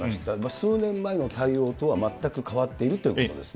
数年前の対応とは全く変わっているということですね。